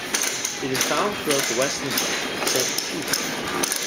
It is found throughout the West Indies, except Cuba.